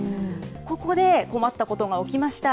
ここで困ったことが起きました。